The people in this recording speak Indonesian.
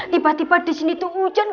tiba tiba disini tuh hujan